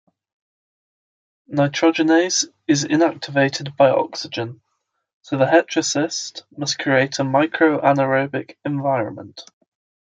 Nitrogenase is inactivated by oxygen, so the heterocyst must create a microanaerobic environment.